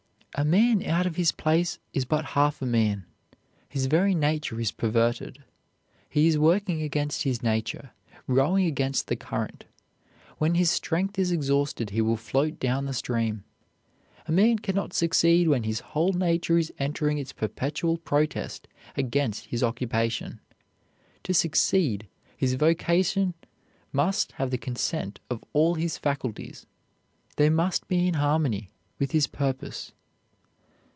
A man out of his place is but half a man; his very nature is perverted. He is working against his nature, rowing against the current. When his strength is exhausted he will float down the stream. A man can not succeed when his whole nature is entering its perpetual protest against his occupation. To succeed, his vocation must have the consent of all his faculties; they must be in harmony with his purpose.